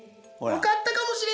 分かったかもしれない！